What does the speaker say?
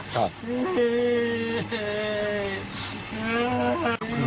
กอนะคะ